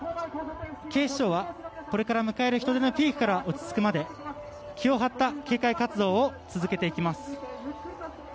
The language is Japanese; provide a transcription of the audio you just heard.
警視庁はこれから迎える人出のピークが落ち着くまで、気を張った警戒活動を続けていきます。